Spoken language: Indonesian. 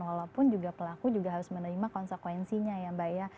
walaupun juga pelaku juga harus menerima konsekuensinya ya mbak ya